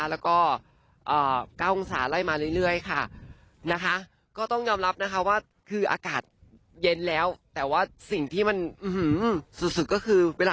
แล้วก็อ่าเก้าองศาไล่มาเรื่อยเรื่อยค่ะนะคะ